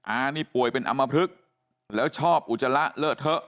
อานี่ป่วยเป็นอำมพลึกแล้วชอบอุจจาระเลอะเทอะ